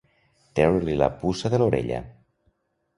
Treure-li la puça de l'orella.